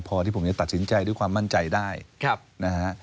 พอที่ผมจะตัดสินใจด้วยความมั่นใจได้นะฮะ